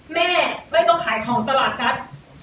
แม่ไม่ต้องขายของตลาดนัด